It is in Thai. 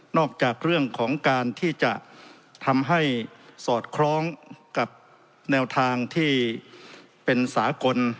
จากเรื่องของการที่จะทำให้สอดคล้องกับแนวทางที่เป็นสากล